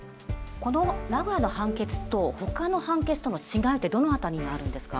この名古屋の判決とほかの判決との違いってどの辺りにあるんですか？